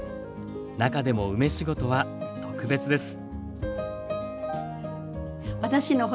中でも梅仕事は特別です。